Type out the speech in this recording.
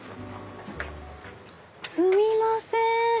すみません。